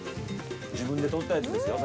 自分でとったやつですよ